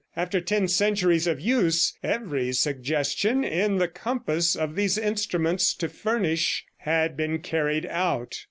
After ten centuries of use every suggestion in the compass of these instruments to furnish, had been carried out.